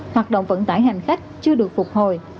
hoạt động vận tải hành khách chưa được phục hồi